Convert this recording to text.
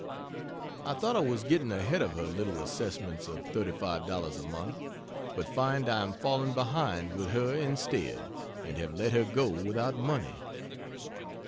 I thought I was getting ahead of her little assessments of $35 a month, but find I am falling behind with her instead, and have let her go without money.